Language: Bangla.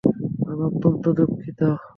আমি অত্যন্ত দুঃখিত!